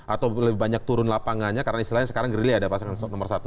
atau lebih banyak turun lapangannya karena istilahnya sekarang gerilly ada pasangan nomor satu